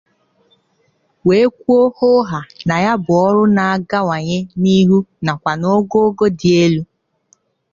wee kwuo hoohaa na ya bụ ọrụ na-agawanye n'ihu nakwa n'ogoogo dị elu.